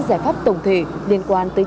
giải pháp tổng thể liên quan tới